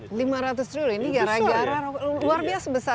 ini lima ratus triliun ini gara gara luar biasa besar